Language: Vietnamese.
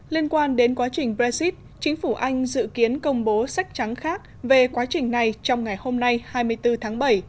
liên quan đến quá trình brexit chính phủ anh dự kiến công bố sách trắng khác về quá trình này trong ngày hôm nay hai mươi bốn tháng bảy